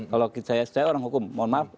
kalau saya orang hukum mohon maaf